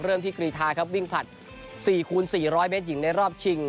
ที่กรีธาครับวิ่งผลัด๔คูณ๔๐๐เมตรหญิงในรอบชิง